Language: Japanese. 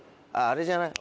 あれじゃない？